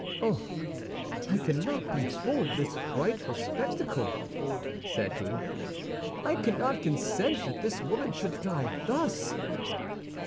"Oh, I cannot behold this frightful spectacle!" said he. "I cannot consent that this woman should die thus!"